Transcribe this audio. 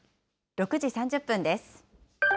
６時３０分です。